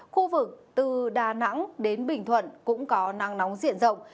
khu vực từ đà nẵng đến bình thuận cũng có nắng nóng diện rộng